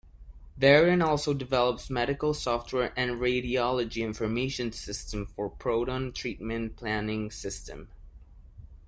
Varian also develops medical software and radiology information system for proton treatment-planning system.